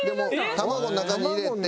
卵の中に入れて。